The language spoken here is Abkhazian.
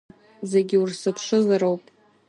Зегьы урзыԥшызароуп!